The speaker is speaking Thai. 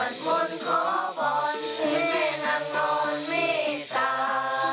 มันควรขอบอลให้แม่น้ำนอนไม่ตา